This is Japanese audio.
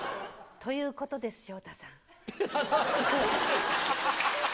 ということです、昇太さん。